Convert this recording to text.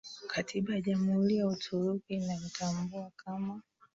Katiba ya Jamhuri ya Uturuki inamtambua kama